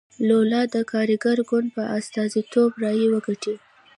لولا د کارګر ګوند په استازیتوب رایې وګټلې.